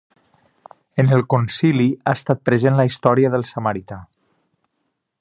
En el Concili ha estat present la història del samarità.